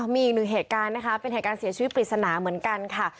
มีอีกหนึ่งเหตุการณ์นะคะเป็นเหตุการณ์เสียชีวิตปริศนาเหมือนกันค่ะ